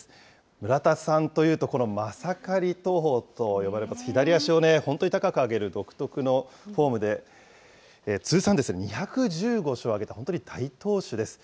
村田さんというと、このマサカリ投法と呼ばれる左足を本当に高く上げる独特のフォームで、通算２１５勝を挙げた、本当に大投手です。